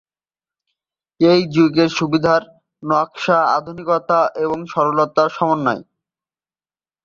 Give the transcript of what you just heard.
এই সুযোগ-সুবিধার নকশা আধুনিকতা ও সরলতার সমন্বয়।